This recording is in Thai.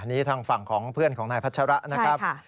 อันนี้ทางฝั่งของเพื่อนของนายพัชระนะครับ